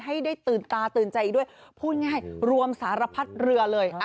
ให้ได้ตื่นตาตื่นใจด้วยพูดง่ายรวมสารพัดเรือเลย